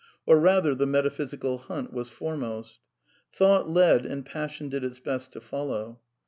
Or rather the metaphysical hunt was foremost. Thought led and 1 (Lpassion did its best to follow.